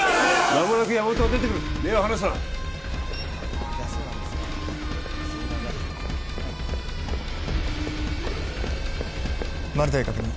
まもなく山本が出てくる目を離すなマルタイ確認